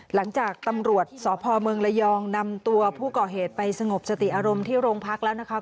หลังจากตำรวจสพเมืองระยองนำตัวผู้ก่อเหตุไปสงบสติอารมณ์ที่โรงพักแล้วนะคะ